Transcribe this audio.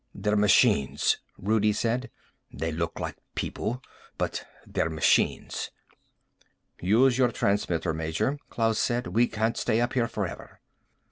"They're machines," Rudi said. "They look like people, but they're machines." "Use your transmitter, Major," Klaus said. "We can't stay up here forever."